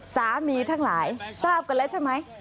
ทั้งหลายทราบกันแล้วใช่ไหม